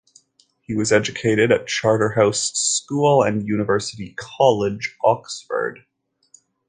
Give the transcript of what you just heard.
He was educated at Charterhouse School and University College, Oxford.